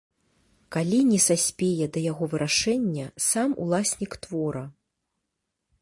Калі не саспее да яго вырашэння сам уласнік твора.